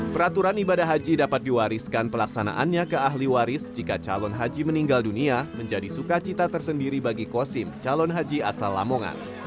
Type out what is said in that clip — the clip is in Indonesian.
peraturan ibadah haji dapat diwariskan pelaksanaannya ke ahli waris jika calon haji meninggal dunia menjadi sukacita tersendiri bagi kosim calon haji asal lamongan